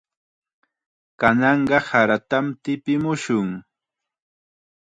Kananqa saratam tipimushun.